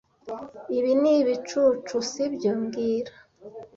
Ibi ni ibicucu, sibyo mbwira